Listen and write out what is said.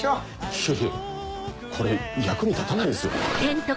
いやいやこれ役に立たないですよ。